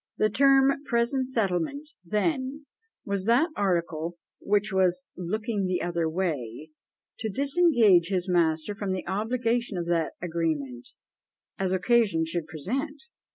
The term PRESENT SETTLEMENT, then, was that article which was LOOKING THE OTHER WAY, to disengage his master from the obligation of that agreement, as occasion should present!